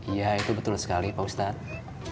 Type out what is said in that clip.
iya itu betul sekali pak ustadz